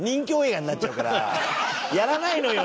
やらないのよ